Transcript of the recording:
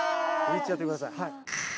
いっちゃってください。